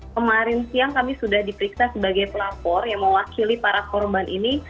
kemarin siang kami sudah diperiksa sebagai pelapor yang mewakili para korban ini